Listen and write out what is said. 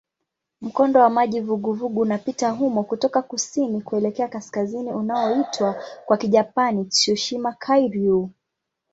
Mkondo wa maji vuguvugu unapita humo kutoka kusini kuelekea kaskazini unaoitwa kwa Kijapani "Tsushima-kairyū".